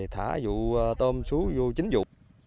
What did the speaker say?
thả vụ tôm xuống vô chính vụ